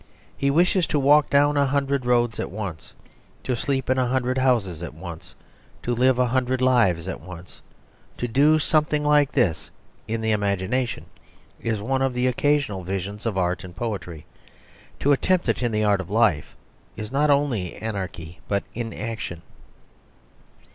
He wishes to walk down a hundred roads at once; to sleep in a hundred houses at once; to live a hundred lives at once. To do something like this in the imagination is one of the occasional visions of art and poetry; to attempt it in the art of life is not only anarchy but inaction.